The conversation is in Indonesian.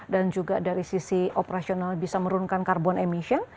dan juga dari sisi operasional bisa merunkan karbon emission